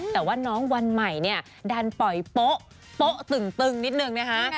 แต่ว่าน้องวันใหม่เนี่ยดันปล่อยโป๊ะตึงนิดนึงนะคะ